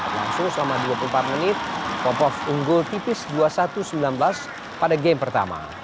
langsung selama dua puluh empat menit popov unggul tipis dua puluh satu sembilan belas pada game pertama